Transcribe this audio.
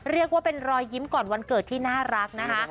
เรียกว่าเป็นรอยยิ้มก่อนวันเกิดที่น่ารักนะคะ